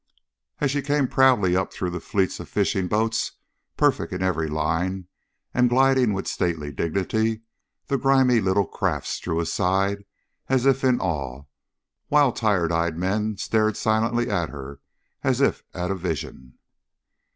As she came proudly up through the fleets of fishing boats, perfect in every line and gliding with stately dignity, the grimy little crafts drew aside as if in awe, while tired eyed men stared silently at her as if at a vision.